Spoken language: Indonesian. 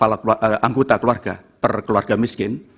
anggota keluarga perkeluarga miskin